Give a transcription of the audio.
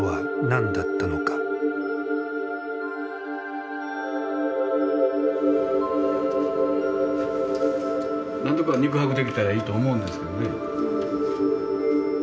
なんとか肉薄できたらいいと思うんですけどね。